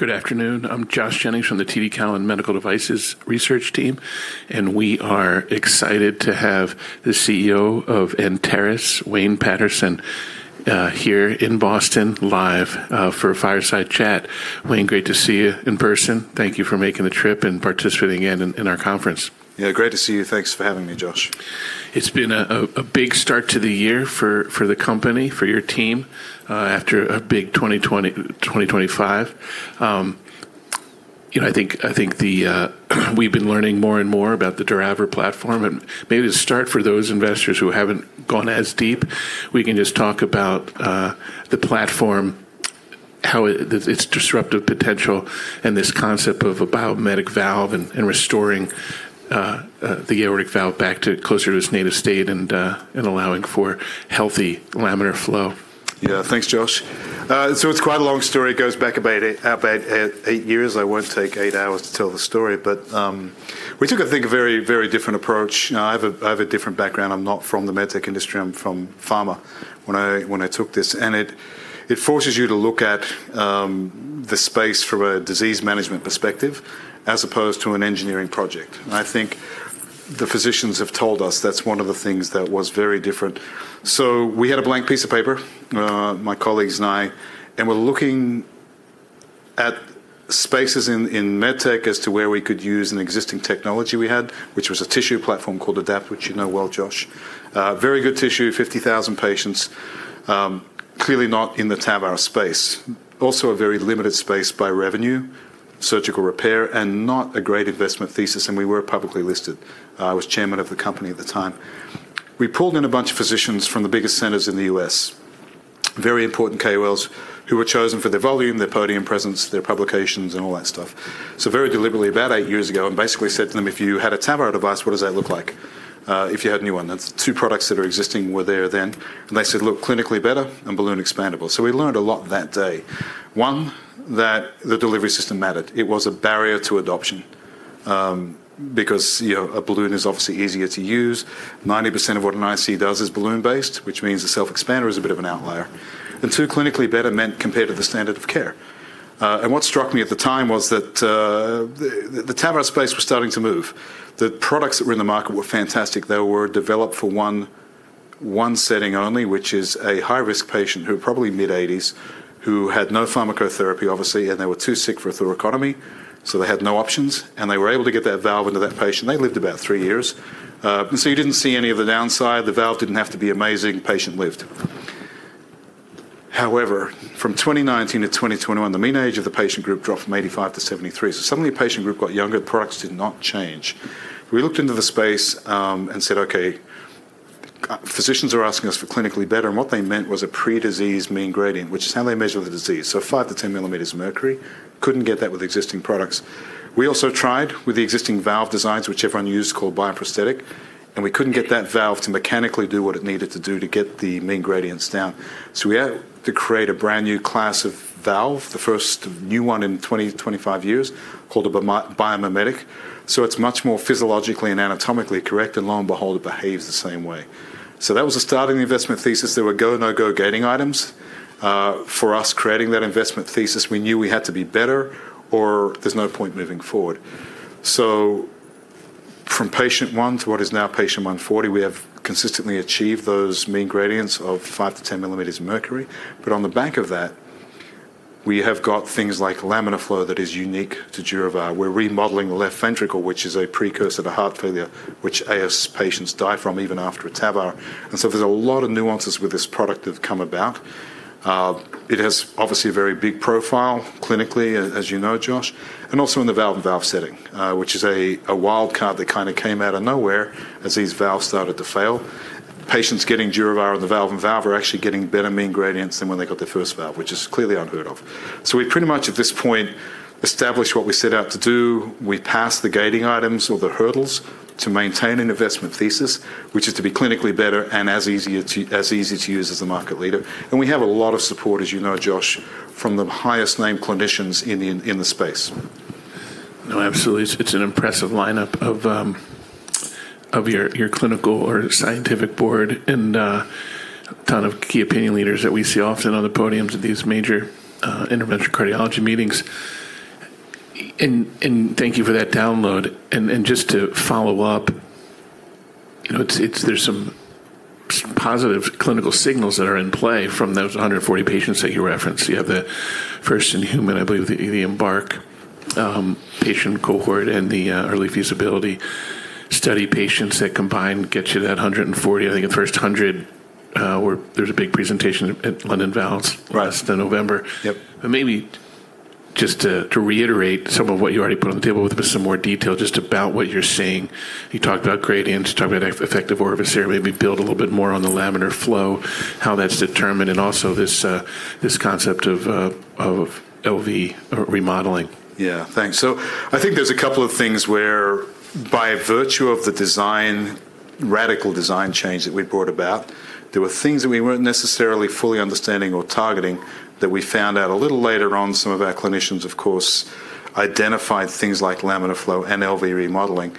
Good afternoon. I'm Josh Jennings from the TD Cowen Medical Devices research team. We are excited to have the CEO of Anteris, Wayne Paterson, here in Boston live, for a fireside chat. Wayne, great to see you in person. Thank you for making the trip and participating in our conference. Yeah, great to see you. Thanks for having me, Josh. It's been a big start to the year for the company, for your team, after a big 2025. You know, I think the we've been learning more and more about the DurAVR platform and maybe to start for those investors who haven't gone as deep, we can just talk about the platform, how it... its disruptive potential and this concept of a biomimetic valve and restoring the aortic valve back to closer to its native state and allowing for healthy laminar flow. Yeah. Thanks, Josh. It's quite a long story. It goes back about eight years. I won't take eight hours to tell the story, but we took, I think, a very, very different approach. You know, I have a different background. I'm not from the med tech industry, I'm from pharma when I took this. It forces you to look at the space from a disease management perspective as opposed to an engineering project. I think the physicians have told us that's one of the things that was very different. We had a blank piece of paper, my colleagues and I, and we're looking at spaces in med tech as to where we could use an existing technology we had, which was a tissue platform called ADAPT, which you know well, Josh. Very good tissue, 50,000 patients, clearly not in the TAVR space. A very limited space by revenue, surgical repair, and not a great investment thesis, and we were publicly listed. I was chairman of the company at the time. We pulled in a bunch of physicians from the biggest centers in the U.S., very important KOLs who were chosen for their volume, their podium presence, their publications, and all that stuff. Very deliberately, about eight years ago, and basically said to them, "If you had a TAVR device, what does that look like, if you had a new one?" That's two products that are existing were there then. They said, "Look clinically better and balloon expandable." We learned a lot that day. One, that the delivery system mattered. It was a barrier to adoption, because, you know, a balloon is obviously easier to use. 90% of what an IC does is balloon-based, which means the self-expanding is a bit of an outlier. Two, clinically better meant compared to the standard of care. What struck me at the time was that the TAVR space was starting to move. The products that were in the market were fantastic. They were developed for one setting only, which is a high-risk patient who probably mid-80s, who had no pharmacotherapy obviously, and they were too sick for a thoracotomy, so they had no options, and they were able to get that valve into that patient. They lived about three years. So you didn't see any of the downside. The valve didn't have to be amazing. Patient lived. From 2019 to 2021, the mean age of the patient group dropped from 85 to 73. Suddenly the patient group got younger. The products did not change. We looked into the space, and said, "Okay, physicians are asking us for clinically better." What they meant was a pre-disease mean gradient, which is how they measure the disease. 5-10 mm of mercury couldn't get that with existing products. We also tried with the existing valve designs, which everyone used called bioprosthetic, and we couldn't get that valve to mechanically do what it needed to do to get the mean gradients down. We had to create a brand new class of valve, the first new one in 20 to 25 years called a biomimetic. It's much more physiologically and anatomically correct, and lo and behold, it behaves the same way. That was the starting investment thesis. There were go, no-go gating items. For us creating that investment thesis, we knew we had to be better or there's no point moving forward. From patient one to what is now patient 140, we have consistently achieved those mean gradients of 5-10 mm of mercury. On the back of that, we have got things like laminar flow that is unique to DurAVR. We're remodeling the left ventricle, which is a precursor to heart failure, which AS patients die from even after a TAVR. There's a lot of nuances with this product that have come about. It has obviously a very big profile clinically, as you know, Josh, and also in the valve-in-valve setting, which is a wild card that kind of came out of nowhere as these valves started to fail. Patients getting DurAVR in the valve-in-valve are actually getting better mean gradients than when they got their first valve, which is clearly unheard of. We pretty much at this point established what we set out to do. We passed the gating items or the hurdles to maintain an investment thesis, which is to be clinically better and as easy to use as the market leader. We have a lot of support, as you know, Josh, from the highest name clinicians in the space. No, absolutely. It's an impressive lineup of your clinical or scientific board and ton of key opinion leaders that we see often on the podiums at these major interventional cardiology meetings. Thank you for that download. Just to follow up, you know, there's some positive clinical signals that are in play from those 140 patients that you referenced. You have the first in human, I believe the Embark patient cohort and the early feasibility study patients that combined get you that 140. I think the first 100 where there's a big presentation at London Valves. Right... last November. Yep. Maybe just to reiterate some of what you already put on the table with some more detail just about what you're seeing. You talked about gradients, you talked about effective orifice area. Maybe build a little bit more on the laminar flow, how that's determined, and also this concept of LV remodeling. Yeah. Thanks. I think there's a couple of things where by virtue of the radical design change that we brought about, there were things that we weren't necessarily fully understanding or targeting that we found out a little later on. Some of our clinicians, of course, identified things like laminar flow and LV remodeling.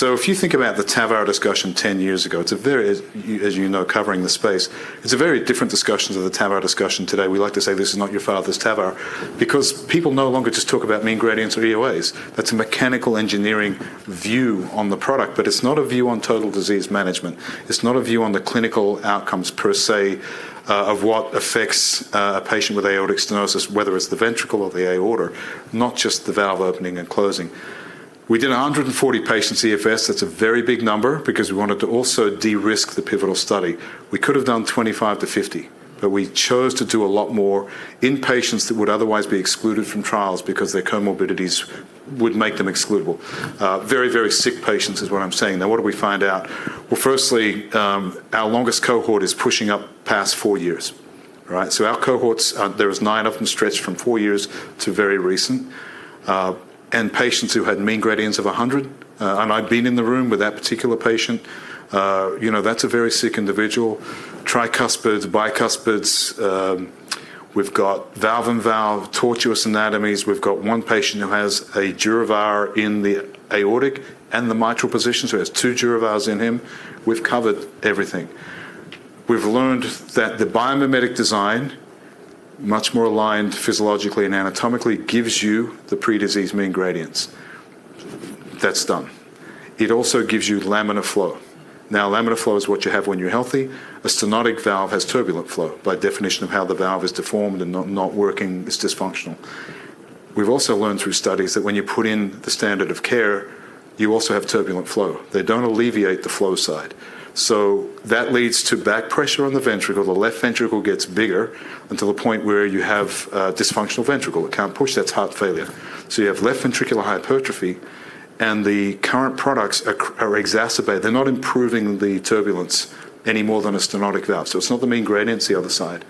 If you think about the TAVR discussion 10 years ago, it's a very, as you know, covering the space, it's a very different discussion to the TAVR discussion today. We like to say this is not your father's TAVR because people no longer just talk about mean gradients or EOAs. That's a mechanical engineering view on the product, but it's not a view on total disease management. It's not a view on the clinical outcomes per se, of what affects a patient with aortic stenosis, whether it's the ventricle or the aorta, not just the valve opening and closing. We did a 140 patient CFS. That's a very big number because we wanted to also de-risk the pivotal study. We could have done 25-50, but we chose to do a lot more in patients that would otherwise be excluded from trials because their comorbidities would make them excludable. Very, very sick patients is what I'm saying. What did we find out? Firstly, our longest cohort is pushing up past four years. Right? Our cohorts, there is nine of them stretched from four years to very recent. Patients who had mean gradients of 100, and I've been in the room with that particular patient. You know, that's a very sick individual. Tricuspid, bicuspid, we've got valve-in-valve, tortuous anatomies. We've got one patient who has a DurAVR in the aortic and the mitral position, so he has two DurAVRs in him. We've covered everything. We've learned that the biomimetic design, much more aligned physiologically and anatomically, gives you the pre-disease mean gradients. That's done. It also gives you laminar flow. Laminar flow is what you have when you're healthy. A stenotic valve has turbulent flow by definition of how the valve is deformed and not working, it's dysfunctional. We've also learned through studies that when you put in the standard of care, you also have turbulent flow. They don't alleviate the flow side. That leads to back pressure on the ventricle. The left ventricle gets bigger until the point where you have a dysfunctional ventricle. It can't push, that's heart failure. You have left ventricular hypertrophy, and the current products are exacerbated. They're not improving the turbulence any more than a stenotic valve. It's not the mean gradients the other side.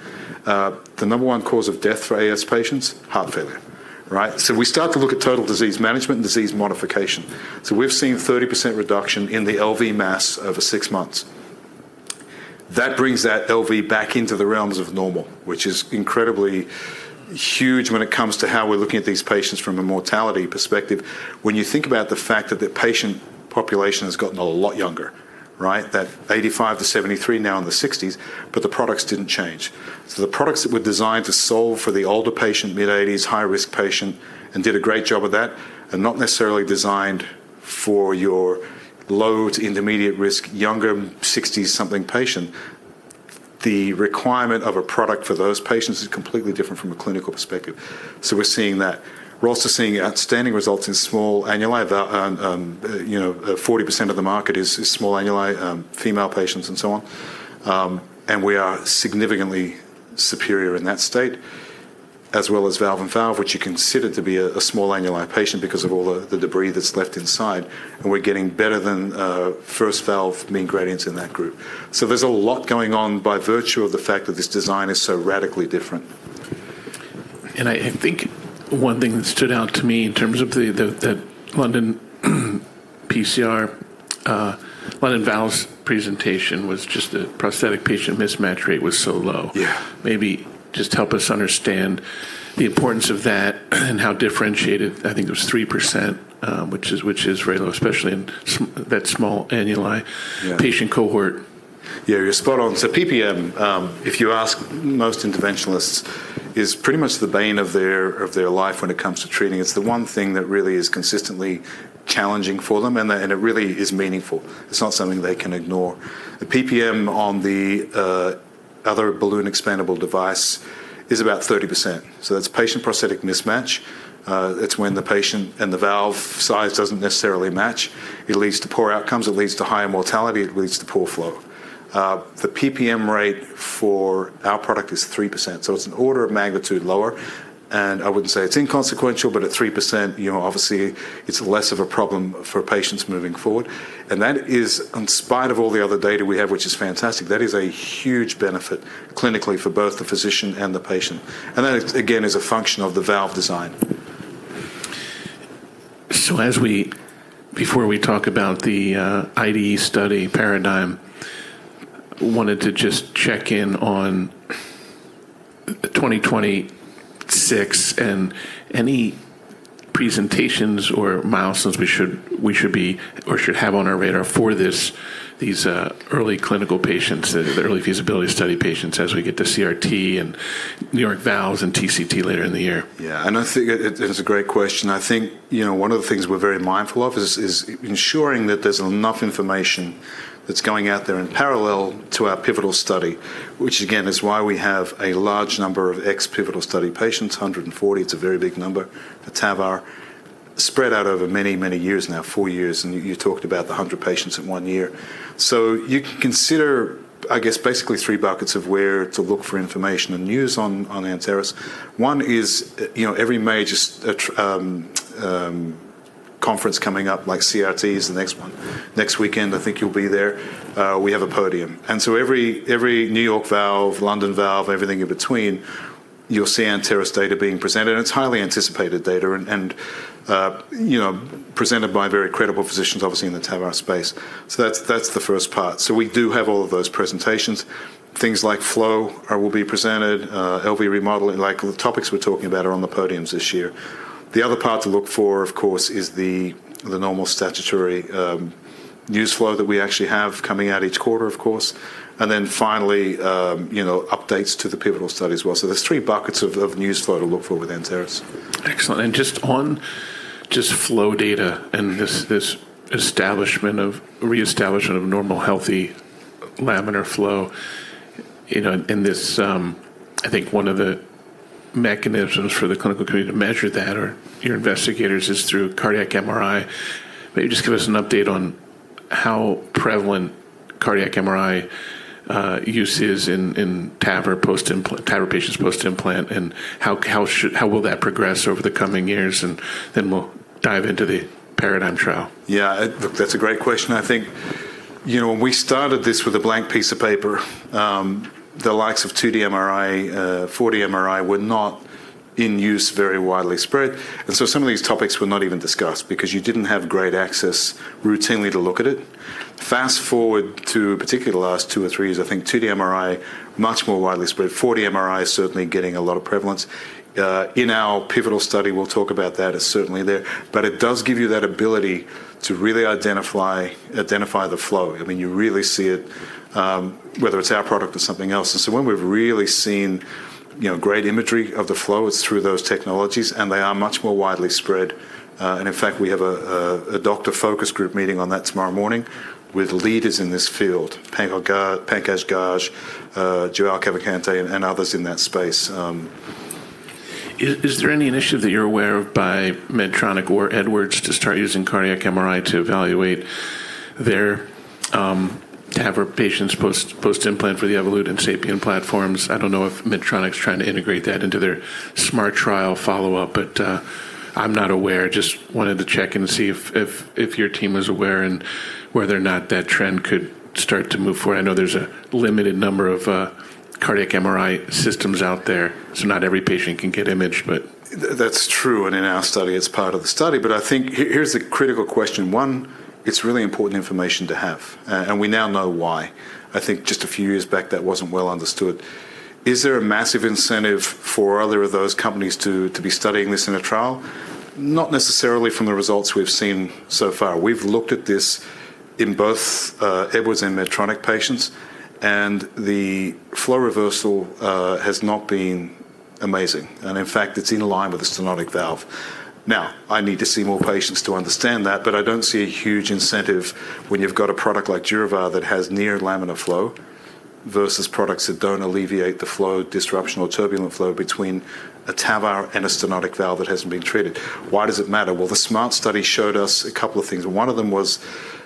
The number one cause of death for AS patients, heart failure. Right? We start to look at total disease management and disease modification. We've seen 30% reduction in the LV mass over six months. That brings that LV back into the realms of normal, which is incredibly huge when it comes to how we're looking at these patients from a mortality perspective. When you think about the fact that the patient population has gotten a lot younger, right? That 85 to 73 now in the 60s, the products didn't change. The products that were designed to solve for the older patient, mid-80s, high-risk patient, and did a great job of that, are not necessarily designed for your low to intermediate risk, younger, 60-something patient. The requirement of a product for those patients is completely different from a clinical perspective. We're seeing that. We're also seeing outstanding results in small annuli and, you know, 40% of the market is small annuli, female patients and so on. We are significantly superior in that state, as well as valve-in-valve, which you consider to be a small annuli patient because of all the debris that's left inside. We're getting better than first valve mean gradients in that group. There's a lot going on by virtue of the fact that this design is so radically different. I think one thing that stood out to me in terms of the London PCR, London Valves presentation was just the patient-prosthesis mismatch rate was so low. Yeah. Maybe just help us understand the importance of that and how differentiated, I think it was 3%, which is very low, especially in that small annuli. Yeah... patient cohort. Yeah, you're spot on. PPM, if you ask most interventionalists, is pretty much the bane of their life when it comes to treating. It's the one thing that really is consistently challenging for them, and it really is meaningful. It's not something they can ignore. The PPM on the other balloon-expandable device is about 30%. That's patient-prosthesis mismatch. It's when the patient and the valve size doesn't necessarily match. It leads to poor outcomes, it leads to higher mortality, it leads to poor flow. The PPM rate for our product is 3%. It's an order of magnitude lower, and I wouldn't say it's inconsequential, but at 3%, you know, obviously, it's less of a problem for patients moving forward. That is, in spite of all the other data we have, which is fantastic, that is a huge benefit clinically for both the physician and the patient. That is, again, is a function of the valve design. As before we talk about the IDE study PARADIGM, wanted to just check in on 2026 and any presentations or milestones we should be or should have on our radar for this, these early clinical patients, the early feasibility study patients as we get to CRT and New York Valves and TCT later in the year. Yeah. I think it is a great question. I think, you know, one of the things we're very mindful of is ensuring that there's enough information that's going out there in parallel to our pivotal study, which again, is why we have a large number of ex-pivotal study patients, 140. It's a very big number. The TAVR spread out over many, many years now, four years, and you talked about the 100 patients in one year. You can consider, I guess, basically three buckets of where to look for information and news on Anteris. One is, you know, every major conference coming up, like CRT is the next one. Next weekend, I think you'll be there. We have a podium. Every New York Valve, London Valve, everything in between, you'll see Anteris data being presented, and it's highly anticipated data and, you know, presented by very credible physicians, obviously, in the TAVR space. That's the first part. We do have all of those presentations. Things like flow will be presented, LV remodeling, like the topics we're talking about are on the podiums this year. The other part to look for, of course, is the normal statutory news flow that we actually have coming out each quarter, of course. Finally, you know, updates to the pivotal study as well. There's three buckets of news flow to look for with Anteris. Excellent. On just flow data and this reestablishment of normal healthy laminar flow, you know, in this... I think one of the mechanisms for the clinical community to measure that or your investigators is through cardiac MRI. Maybe just give us an update on how prevalent cardiac MRI use is in TAVR patients post-implant, and how will that progress over the coming years, and then we'll dive into the PARADIGM trial. Look, that's a great question. I think, you know, when we started this with a blank piece of paper, the likes of 2D MRI, 4D MRI were not in use very widely spread. Some of these topics were not even discussed because you didn't have great access routinely to look at it. Fast-forward to particularly the last two or three years, I think 2D MRI, much more widely spread. 4D MRI is certainly getting a lot of prevalence. In our pivotal study, we'll talk about that, it's certainly there. It does give you that ability to really identify the flow. I mean, you really see it, whether it's our product or something else. When we've really seen, you know, great imagery of the flow, it's through those technologies, and they are much more widely spread. In fact, we have a doctor focus group meeting on that tomorrow morning with leaders in this field, Pankaj Garg, João Cavalcante, and others in that space. Is there any initiative that you're aware of by Medtronic or Edwards to start using cardiac MRI to evaluate their TAVR patients post-implant for the Evolut and SAPIEN platforms? I don't know if Medtronic's trying to integrate that into their SMART trial follow-up, but I'm not aware. Just wanted to check and see if your team was aware and whether or not that trend could start to move forward. I know there's a limited number of cardiac MRI systems out there, so not every patient can get imaged, but... That's true. In our study, it's part of the study. I think here's the critical question. One, it's really important information to have. We now know why. I think just a few years back, that wasn't well understood. Is there a massive incentive for other of those companies to be studying this in a trial? Not necessarily from the results we've seen so far. We've looked at this in both Edwards and Medtronic patients, and the flow reversal has not been amazing. In fact, it's in line with the stenotic valve. Now, I need to see more patients to understand that, but I don't see a huge incentive when you've got a product like DurAVR that has near laminar flow versus products that don't alleviate the flow disruption or turbulent flow between a TAVR and a stenotic valve that hasn't been treated. Why does it matter? Well, the SMART study showed us a couple of things. One of them was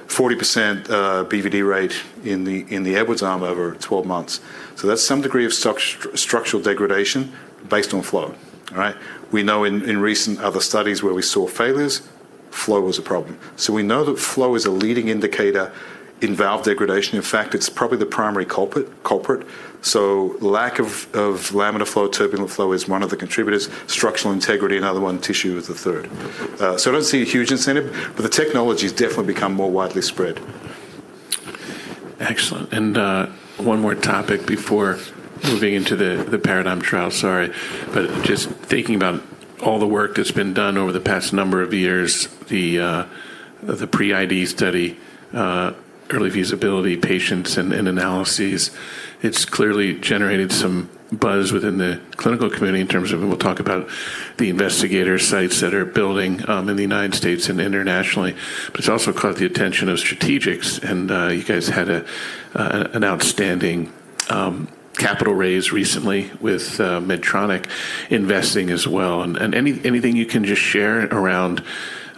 40% BVD rate in the Edwards arm over 12 months. That's some degree of structural degradation based on flow, all right. We know in recent other studies where we saw failures, flow was a problem. We know that flow is a leading indicator in valve degradation. In fact, it's probably the primary culprit. Lack of laminar flow, turbulent flow is one of the contributors. Structural integrity, another one. Tissue is the third. I don't see a huge incentive, but the technology's definitely become more widely spread. Excellent. One more topic before moving into the PARADIGM trial. Sorry. Just thinking about all the work that's been done over the past number of years, the pre-IDE study, early feasibility patients and analyses. It's clearly generated some buzz within the clinical community in terms of, and we'll talk about the investigator sites that are building in the United States and internationally. It's also caught the attention of strategics, and you guys had an outstanding capital raise recently with Medtronic investing as well. Anything you can just share around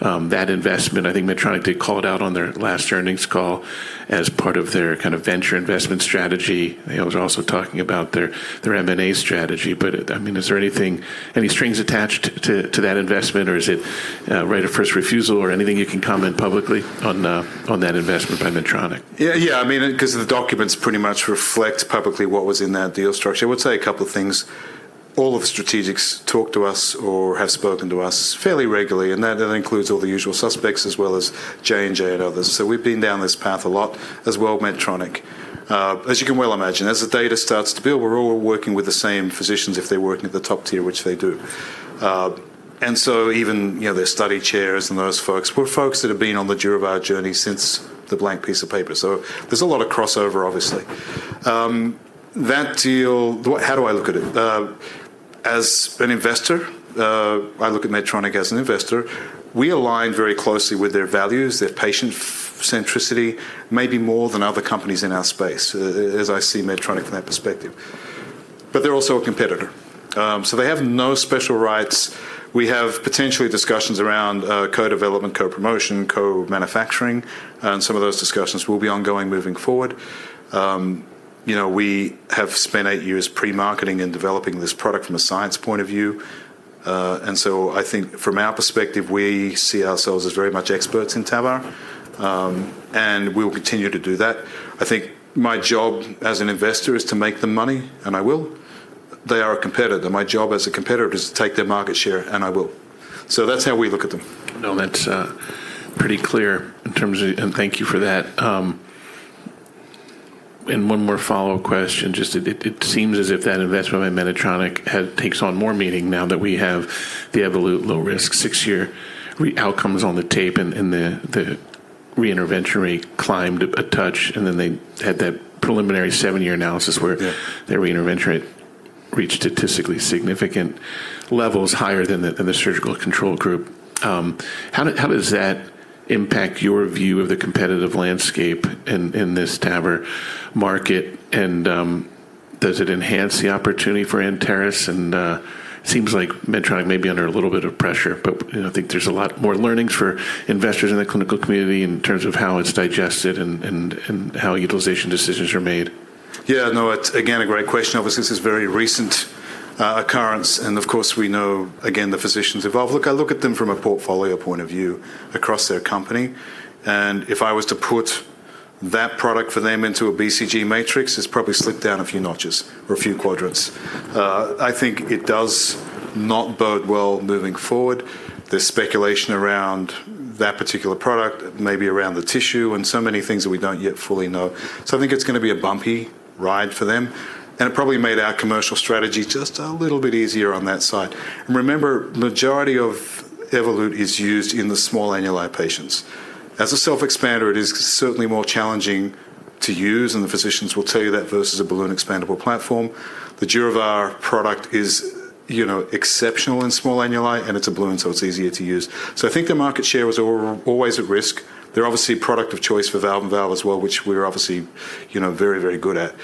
that investment. I think Medtronic, they called out on their last earnings call as part of their kind of venture investment strategy. They was also talking about their M&A strategy. I mean, is there any strings attached to that investment, or is it, right of first refusal or anything you can comment publicly on that investment by Medtronic? Yeah. Yeah. I mean, 'cause the documents pretty much reflect publicly what was in that deal structure. I would say a couple of things. All of the strategics talk to us or have spoken to us fairly regularly. That includes all the usual suspects as well as J&J and others. We've been down this path a lot as well Medtronic. As you can well imagine, as the data starts to build, we're all working with the same physicians if they're working at the top tier, which they do. Even, you know, their study chairs and those folks were folks that have been on the DurAVR journey since the blank piece of paper. There's a lot of crossover, obviously. How do I look at it? As an investor, I look at Medtronic as an investor. We align very closely with their values, their patient centricity, maybe more than other companies in our space, as I see Medtronic from that perspective. They're also a competitor. They have no special rights. We have potentially discussions around co-development, co-promotion, co-manufacturing, and some of those discussions will be ongoing moving forward. You know, we have spent eight years pre-marketing and developing this product from a science point of view. I think from our perspective, we see ourselves as very much experts in TAVR, and we will continue to do that. I think my job as an investor is to make them money, and I will. They are a competitor. My job as a competitor is to take their market share, and I will. That's how we look at them. No, that's pretty clear in terms of. Thank you for that. One more follow-up question. Just it seems as if that investment by Medtronic takes on more meaning now that we have the Evolut Low Risk six-year outcomes on the tape and the re-intervention rate climbed a touch, and then they had that preliminary seven-year analysis where. Yeah... their re-intervention rate reached statistically significant levels higher than the surgical control group. How does that impact your view of the competitive landscape in this TAVR market? Does it enhance the opportunity for Anteris? Seems like Medtronic may be under a little bit of pressure, but, you know, I think there's a lot more learnings for investors in the clinical community in terms of how it's digested and how utilization decisions are made. Yeah, no, it's again, a great question. Obviously, this is very recent, occurrence, and of course, we know, again, the physicians involved. Look, I look at them from a portfolio point of view across their company, if I was to put that product for them into a BCG matrix, it's probably slipped down a few notches or a few quadrants. I think it does not bode well moving forward. There's speculation around that particular product, maybe around the tissue, and so many things that we don't yet fully know. I think it's gonna be a bumpy ride for them, and it probably made our commercial strategy just a little bit easier on that side. Remember, majority of Evolut is used in the small annuli patients. As a self-expanding, it is certainly more challenging to use, and the physicians will tell you that versus a balloon expandable platform. The DurAVR product is, you know, exceptional in small annuli, and it's a balloon, so it's easier to use. I think their market share was always at risk. They're obviously product of choice for valve-in-valve as well, which we're obviously, you know, very good at.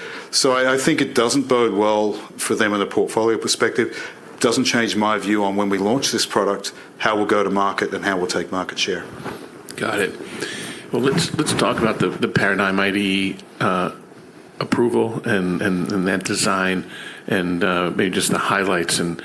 I think it doesn't bode well for them in a portfolio perspective. Doesn't change my view on when we launch this product, how we'll go to market, and how we'll take market share. Got it. Well, let's talk about the PARADIGM IDE approval and that design and maybe just the highlights and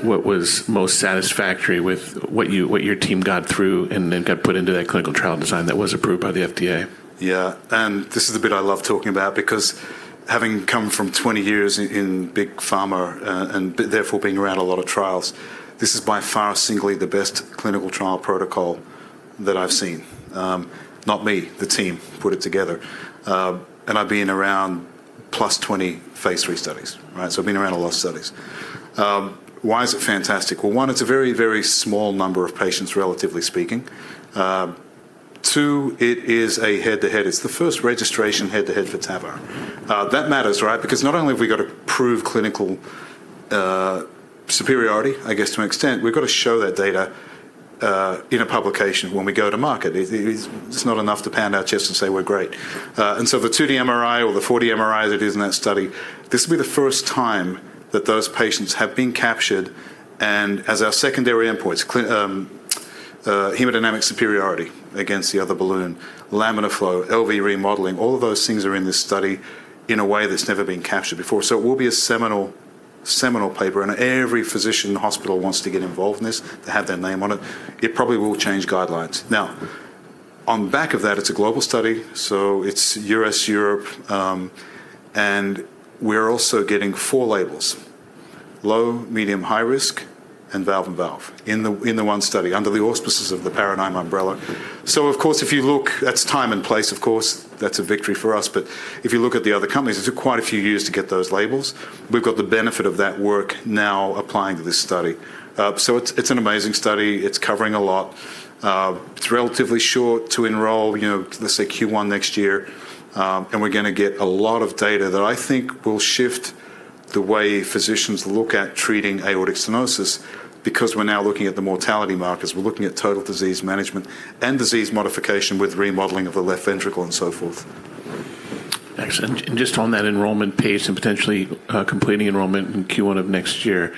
what was most satisfactory with what your team got through and then got put into that clinical trial design that was approved by the FDA. This is the bit I love talking about because having come from 20 years in big pharma, therefore being around a lot of trials, this is by far singly the best clinical trial protocol that I've seen. Not me, the team put it together. I've been around +20 phase III studies, right? I've been around a lot of studies. Why is it fantastic? One, it's a very, very small number of patients, relatively speaking. Two, it is a head-to-head. It's the first registration head-to-head for TAVR. That matters, right? Because not only have we got to prove clinical superiority, I guess, to an extent, we've got to show that data in a publication when we go to market. It's not enough to pound our chest and say we're great. The 2D MRI or the 4D MRI, as it is in that study, this will be the first time that those patients have been captured and as our secondary endpoints, hemodynamic superiority against the other balloon, laminar flow, LV remodeling, all of those things are in this study in a way that's never been captured before. It will be a seminal paper, and every physician hospital wants to get involved in this to have their name on it. It probably will change guidelines. Now, on back of that, it's a global study, so it's U.S., Europe, and we're also getting four labels: low, medium, high risk, and valve-in-valve in the one study under the auspices of the PARADIGM umbrella. Of course, if you look, that's time and place, of course, that's a victory for us. If you look at the other companies, it took quite a few years to get those labels. We've got the benefit of that work now applying to this study. It's an amazing study. It's covering a lot. It's relatively short to enroll, you know, let's say Q1 next year. We're gonna get a lot of data that I think will shift the way physicians look at treating aortic stenosis because we're now looking at the mortality markers. We're looking at total disease management and disease modification with remodeling of the left ventricle and so forth. Excellent. Just on that enrollment pace and potentially, completing enrollment in Q1 of next year,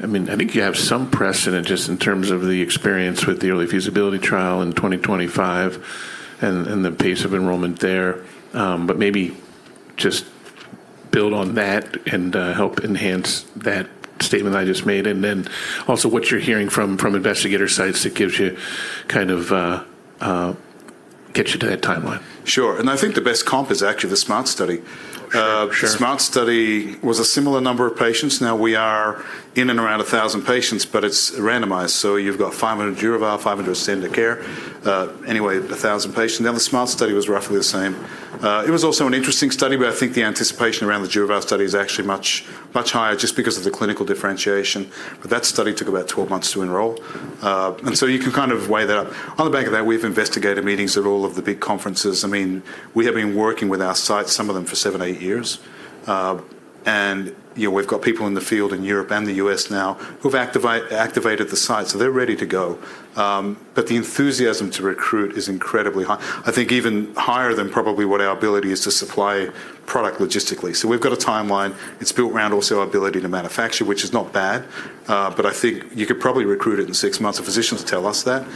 I mean, I think you have some precedent just in terms of the experience with the early feasibility trial in 2025 and the pace of enrollment there. Maybe just build on that and help enhance that statement I just made, and then also what you're hearing from investigator sites that gives you kind of gets you to that timeline. Sure. I think the best comp is actually the SMART study. Oh, sure. Sure. SMART study was a similar number of patients. Now we are in and around 1,000 patients, it's randomized. You've got 500 DurAVR, 500 standard care. Anyway, 1,000 patients. Now the SMART study was roughly the same. It was also an interesting study, I think the anticipation around the DurAVR study is actually much, much higher just because of the clinical differentiation. That study took about 12 months to enroll. You can kind of weigh that up. On the back of that, we've investigated meetings at all of the big conferences. I mean, we have been working with our sites, some of them for seven, eight years. You know, we've got people in the field in Europe and the U.S. now who've activated the sites, so they're ready to go. The enthusiasm to recruit is incredibly high. I think even higher than probably what our ability is to supply product logistically. We've got a timeline. It's built around also our ability to manufacture, which is not bad. I think you could probably recruit it in six months. The physicians tell us that.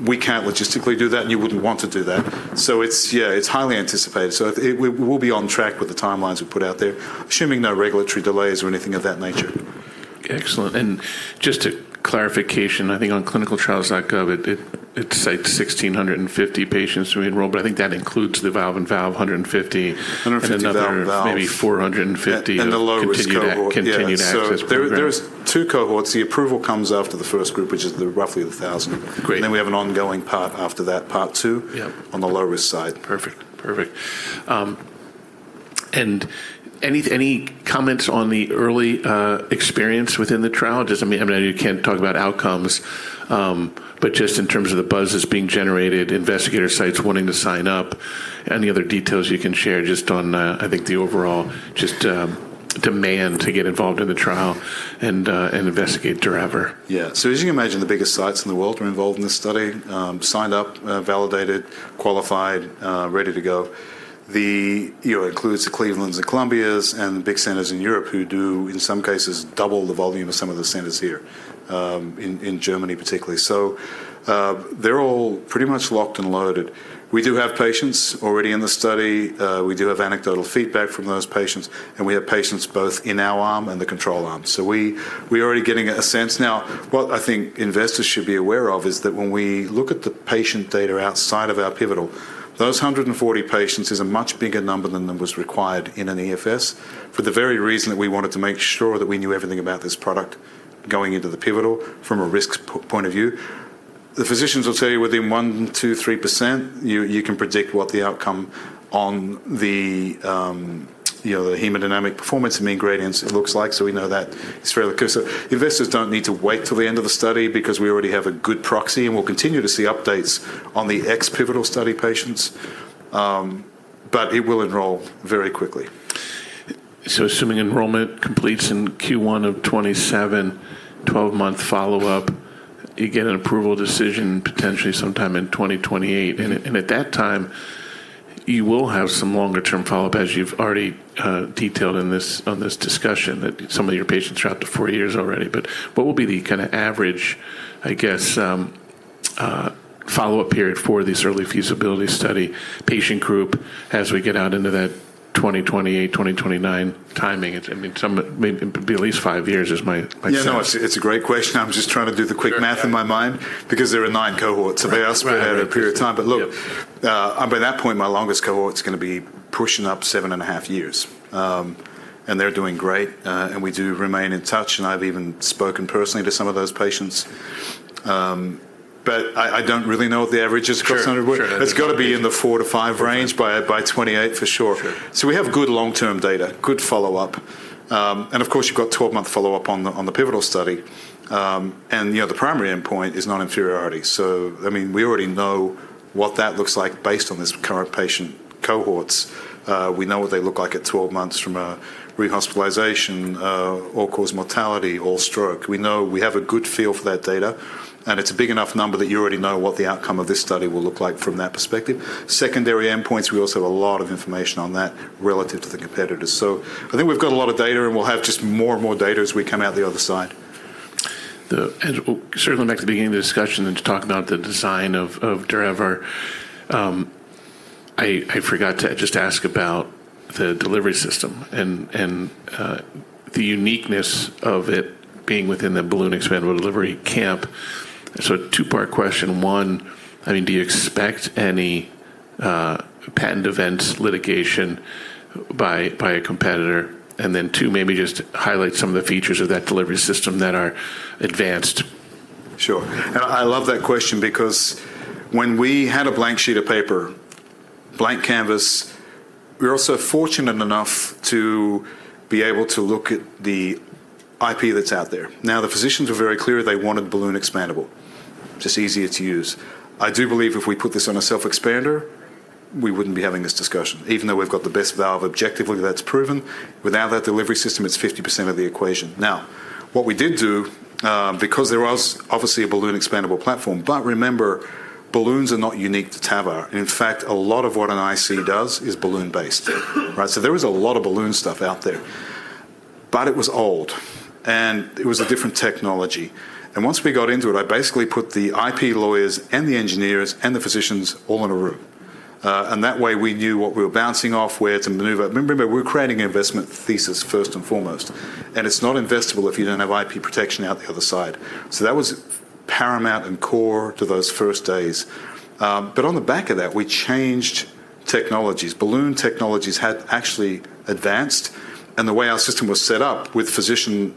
We can't logistically do that, and you wouldn't want to do that. It's, yeah, it's highly anticipated. We will be on track with the timelines we've put out there, assuming no regulatory delays or anything of that nature. Excellent. Just a clarification, I think on ClinicalTrials.gov, it cites 1,650 patients who enroll, but I think that includes the valve-in-valve 150. 150 valve-in-valves. another maybe 450 of continued. In the low-risk cohort. Yeah... continued access program. There is two cohorts. The approval comes after the first group, which is the roughly the 1,000. Great. We have an ongoing part after that, part two. Yep on the low-risk side. Perfect. Perfect. Any comments on the early experience within the trial? Just, I mean, I know you can't talk about outcomes, but just in terms of the buzz that's being generated, investigator sites wanting to sign up. Any other details you can share just on, I think the overall just demand to get involved in the trial and investigate DurAVR? Yeah. As you can imagine, the biggest sites in the world are involved in this study, signed up, validated, qualified, ready to go. You know, it includes the Clevelands, the Columbias, and big centers in Europe who do, in some cases, double the volume of some of the centers here, in Germany particularly. They're all pretty much locked and loaded. We do have patients already in the study. We do have anecdotal feedback from those patients, and we have patients both in our arm and the control arm. We're already getting a sense now. What I think investors should be aware of is that when we look at the patient data outside of our pivotal, those 140 patients is a much bigger number than was required in an EFS, for the very reason that we wanted to make sure that we knew everything about this product going into the pivotal from a risk point of view. The physicians will tell you within 1%, 2%, 3% you can predict what the outcome on the, you know, the hemodynamic performance and gradients looks like. We know that it's fairly consistent. Investors don't need to wait till the end of the study because we already have a good proxy and we'll continue to see updates on the ex-pivotal study patients. It will enroll very quickly. Assuming enrollment completes in Q1 of 2027, 12-month follow-up, you get an approval decision potentially sometime in 2028. At that time, you will have some longer term follow-up, as you've already detailed on this discussion, that some of your patients are out to four years already. What will be the kinda average, I guess, follow-up period for this early feasibility study patient group as we get out into that 2028, 2029 timing? It's, I mean, some of it may even be at least five years is my guess. Yeah, no, it's a great question. I was just trying to do the quick math in my mind because there are nine cohorts. Right, right. They all spread out over a period of time. Look, by that point, my longest cohort's gonna be pushing up seven and a half years. They're doing great. We do remain in touch, and I've even spoken personally to some of those patients. I don't really know what the average is across the board. Sure, sure. It's gotta be in the four-five range by 2028, for sure. Sure. We have good long-term data, good follow-up. Of course, you've got 12-month follow-up on the, on the pivotal study. You know, the primary endpoint is non-inferiority. I mean, we already know what that looks like based on these current patient cohorts. We know what they look like at 12 months from a rehospitalization, all-cause mortality, all stroke. We know we have a good feel for that data, and it's a big enough number that you already know what the outcome of this study will look like from that perspective. Secondary endpoints, we also have a lot of information on that relative to the competitors. I think we've got a lot of data, and we'll have just more and more data as we come out the other side. Sort of going back to the beginning of the discussion and to talk about the design of DurAVR. I forgot to just ask about the delivery system and the uniqueness of it being within the balloon-expandable delivery camp. Two-part question. One, I mean, do you expect any patent events, litigation by a competitor? Two, maybe just highlight some of the features of that delivery system that are advanced. Sure. I love that question because when we had a blank sheet of paper, blank canvas, we were also fortunate enough to be able to look at the IP that's out there. Now, the physicians were very clear they wanted balloon expandable. Just easier to use. I do believe if we put this on a self-expanding, we wouldn't be having this discussion. Even though we've got the best valve objectively that's proven, without that delivery system, it's 50% of the equation. Now, what we did do, because there was obviously a balloon expandable platform, but remember, balloons are not unique to TAVR. In fact, a lot of what an IC does is balloon-based. Right? There was a lot of balloon stuff out there, but it was old and it was a different technology. Once we got into it, I basically put the IP lawyers and the engineers and the physicians all in a room. That way we knew what we were bouncing off, where to maneuver. Remember, we're creating an investment thesis first and foremost, and it's not investable if you don't have IP protection out the other side. That was paramount and core to those first days. On the back of that, we changed technologies. Balloon technologies had actually advanced, and the way our system was set up with physician,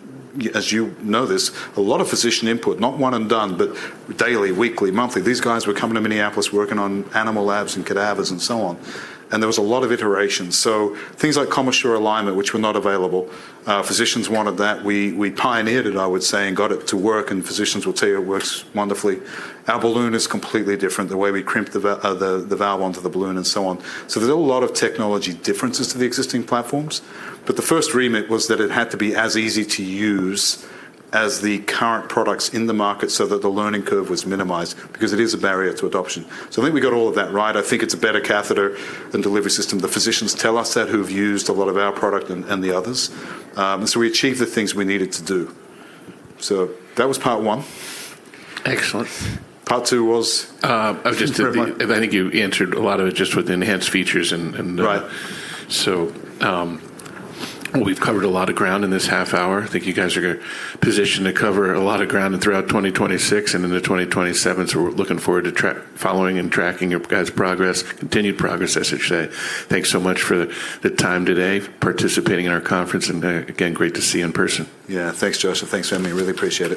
as you know this, a lot of physician input, not one and done, but daily, weekly, monthly. These guys were coming to Minneapolis working on animal labs and cadavers and so on. There was a lot of iterations. Things like commissural alignment, which were not available, physicians wanted that. We pioneered it, I would say, and got it to work, and physicians will tell you it works wonderfully. Our balloon is completely different, the way we crimp the valve onto the balloon and so on. There's a lot of technology differences to the existing platforms. The first remit was that it had to be as easy to use as the current products in the market so that the learning curve was minimized because it is a barrier to adoption. I think we got all of that right. I think it's a better catheter and delivery system. The physicians tell us that who've used a lot of our product and the others. We achieved the things we needed to do. That was part one. Excellent. Part two was? Uh, I was just- Feel free. I think you answered a lot of it just with enhanced features and. Right. We've covered a lot of ground in this half hour. I think you guys are positioned to cover a lot of ground throughout 2026 and into 2027, so we're looking forward to following and tracking your guys' progress, continued progress I should say. Thanks so much for the time today participating in our conference. Again, great to see you in person. Yeah. Thanks, Josh. Thanks for having me. Really appreciate it.